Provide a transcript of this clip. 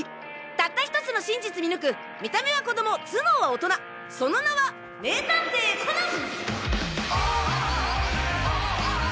たった１つの真実見抜く見た目は子供頭脳は大人その名は名探偵コナン！